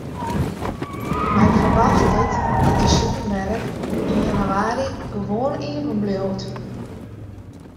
Hy ferwachtet dat de supermerk yn jannewaarje gewoan iepenbliuwt.